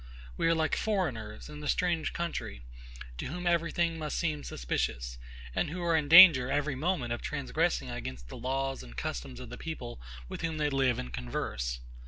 We are like foreigners in a strange country, to whom every thing must seem suspicious, and who are in danger every moment of transgressing against the laws and customs of the people with whom they live and converse.